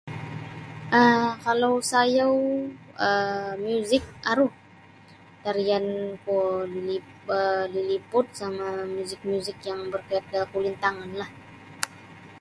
um Kalau sayau um muzik aru tarian kuo lilip um liliput sama muzik-muzik yang berkait da kulintanganlah.